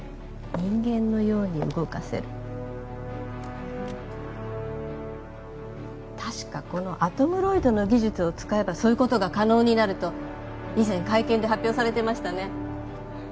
人間のように動かせる確かこのアトムロイドの技術を使えばそういうことが可能になると以前会見で発表されてましたね